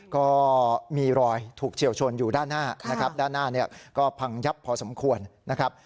ก็มีรอยถูกเฉียวชนอยู่ด้านหน้านะครับด้านหน้าเนี่ยก็พังยับพอสมควรนะครับ